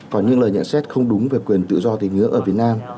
còn những lời nhận xét không đúng về quyền tự do tín ngưỡng ở việt nam